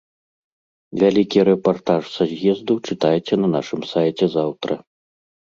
Вялікі рэпартаж са з'езду чытайце на нашым сайце заўтра.